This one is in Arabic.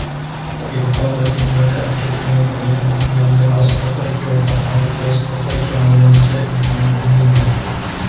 وَإِذْ قَالَتِ الْمَلَائِكَةُ يَا مَرْيَمُ إِنَّ اللَّهَ اصْطَفَاكِ وَطَهَّرَكِ وَاصْطَفَاكِ عَلَى نِسَاءِ الْعَالَمِينَ